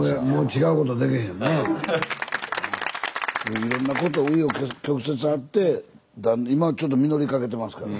いろんなことう余曲折あって今ちょっと実りかけてますからね。